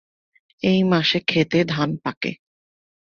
এই মাসে ক্ষেতে ধান পাকে।